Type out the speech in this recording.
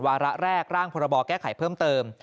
วาระแรกร่างพรบแก้ไขเพิ่มเติม